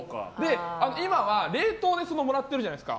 今は冷凍でもらってるじゃないですか。